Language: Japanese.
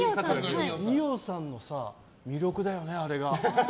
二葉さんのさ、魅力だよねあれが。